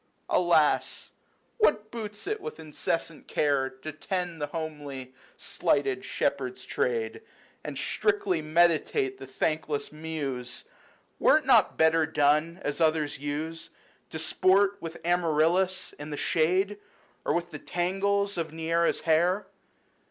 / Alas ! what boots it with uncessant care To tend the homely, slighted, shepherd's trade, And strictly meditate the thankless Muse? 22 LYCIDAS. Were it not better done, as others use, To sport with Amaryllis in the shade, Or with the tangles of Nesera's hair